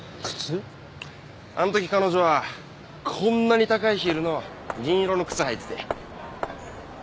あの時彼女はこんなに高いヒールの銀色の靴履いてて。